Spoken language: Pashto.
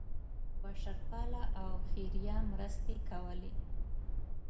بشرپاله او خیریه مرستې کولې.